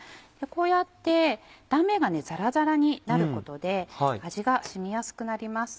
こうやって断面がザラザラになることで味が染みやすくなります。